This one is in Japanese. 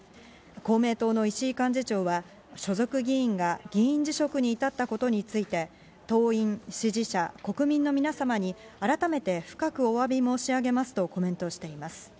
公明党の石井幹事長は、所属議員が議員辞職に至ったことについて、党員、支持者、国民の皆様に改めて深くお詫び申し上げますとコメントしています。